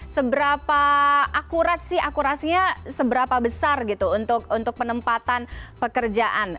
seberapa akurat sih akurasinya seberapa besar gitu untuk penempatan pekerjaan